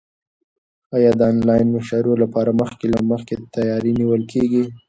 ایا د انلاین مشاعرو لپاره مخکې له مخکې تیاری نیول کیږي؟